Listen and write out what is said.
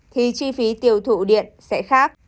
thì chi phí tiêu thụ điện sẽ khác